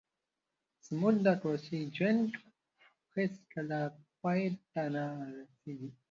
زموږ د کوڅې جنګ هېڅکله پای ته نه رسېږي.